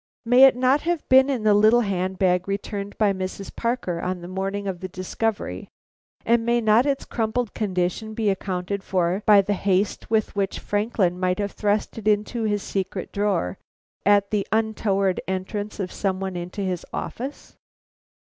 May it not have been in the little hand bag returned by Mrs. Parker on the morning of the discovery, and may not its crumpled condition be accounted for by the haste with which Franklin might have thrust it into his secret drawer at the untoward entrance of some one into his office?"